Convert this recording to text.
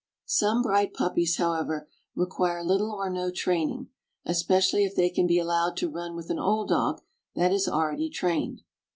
Some bright puppies, however, require little or no training, especially if they can be allowed to run with an old dog that is already trained.